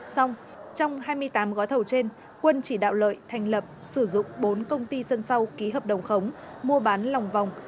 xong trong hai mươi tám gói thầu trên quân chỉ đạo lợi thành lập sử dụng bốn công ty sân sau ký hợp đồng khống mua bán lòng vòng